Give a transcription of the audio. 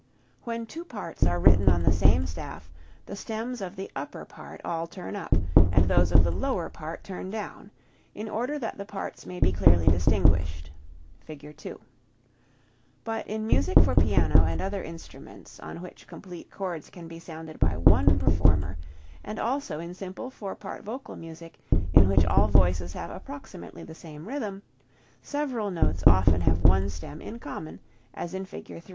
] 3. When two parts are written on the same staff, the stems of the upper part all turn up, and those of the lower part turn down, in order that the parts may be clearly distinguished. (Fig. 2.) But in music for piano and other instruments on which complete chords can be sounded by one performer and also in simple, four part vocal music in which all voices have approximately the same rhythm, several notes often have one stem in common as in Fig.